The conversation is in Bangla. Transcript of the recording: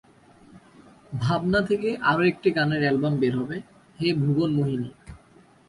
ভাবনা থেকে আরও একটি গানের অ্যালবাম বের হবে, হে ভুবনমোহিনী।